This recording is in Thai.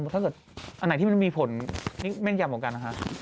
ถ้าเกิดอันไหนที่มันมีผลเม่นยำกว่ากัน